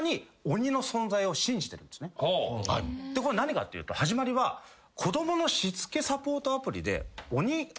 これ何でかっていうと始まりは子供のしつけサポートアプリで。